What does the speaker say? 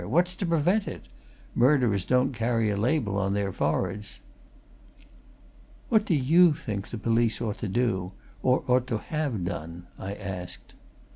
What's to prevent it? Murderers don't carry a label on their foreheads!" "What do you think the police ought to do or ought to have done?" I asked.